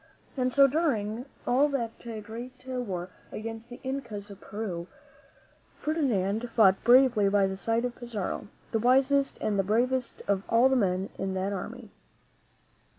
And so, during all that great war against the Incas of Peru, Ferdinand fought bravely by the side of Pizarro, the wisest and the bravest of all the men in that army.